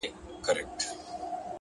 لوستل فکرونه روښانوي